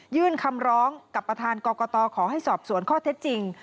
ยื่นคำร้องกับประธานกรกตขอให้สอบสวนข้อเท็จจริง